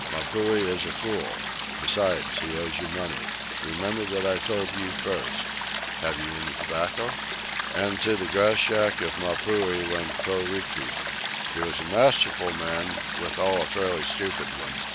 Mapuhi is a fool. Besides, he owes you money. Remember that I told you first. Have you any tobacco?" And to the grass shack of Mapuhi went Toriki. He was a masterful man, withal a fairly stupid one.